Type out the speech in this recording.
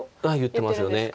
言ってますよね。